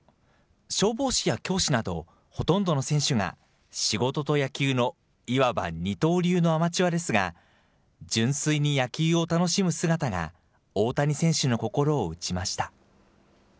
消防士や教師など、ほとんどの選手が仕事と野球のいわば二刀流のアマチュアですが、純粋に野球を楽しむ姿が大谷選手の心を打ちました。